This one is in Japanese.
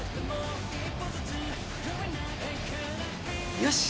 よし！